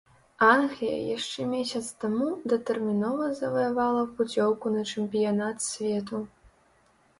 Англія яшчэ месяц таму датэрмінова заваявала пуцёўку на чэмпіянат свету.